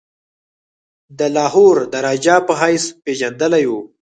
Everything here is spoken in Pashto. د لاهور د راجا په حیث پيژندلی وو.